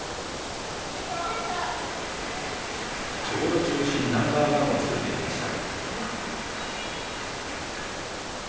ちょうど中心ナンバーワンを作ってきました。